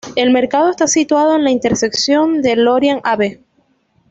El mercado está situado en la intersección de Lorain Ave.